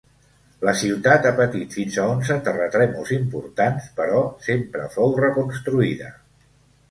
La ciutat ha patit fins a onze terratrèmols importants però sempre fou reconstruïda.